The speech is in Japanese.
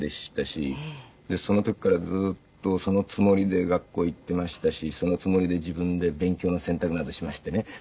その時からずっとそのつもりで学校へ行っていましたしそのつもりで自分で勉強の選択などしましてね。